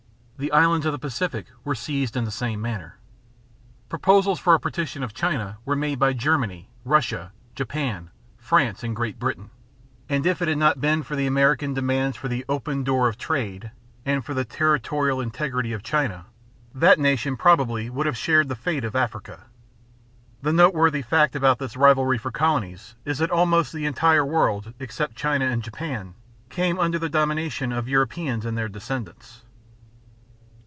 The islands of the Pacific were seized in the same manner. Proposals for a partition of China were made by Germany, Russia, Japan, France, and Great Britain; and if it had not been for the American demands for the "open door of trade" and for the "territorial integrity" of China, that nation probably would have shared the fate of Africa. The noteworthy fact about this rivalry for colonies is that almost the entire world, except China and Japan, came under the domination of Europeans and their descendants.